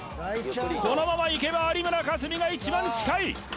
このままいけば有村架純が一番近い！